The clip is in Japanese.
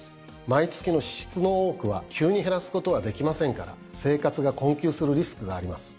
毎月の支出の多くは急に減らすことはできませんから生活が困窮するリスクがあります。